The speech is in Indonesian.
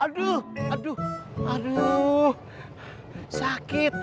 aduh aduh aduh sakit